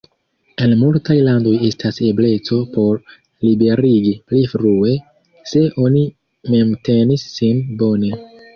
En multaj landoj estas ebleco por liberigi pli frue, se oni memtenis sin bone.